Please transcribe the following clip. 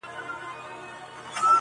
له جهان سره به سیال سيقاسم یاره-